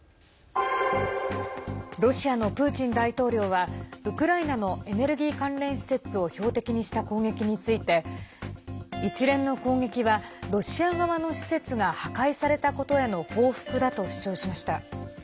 ロシアのプーチン大統領はウクライナのエネルギー関連施設を標的にした攻撃について一連の攻撃はロシア側の施設が破壊されたことへの報復だと主張しました。